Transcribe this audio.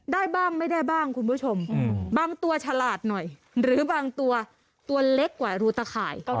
ได้บ้างไม่ได้บ้างคุณผู้ชมบางตัวฉลาดหน่อยหรือบางตัวตัวเล็กกว่ารูตะข่าย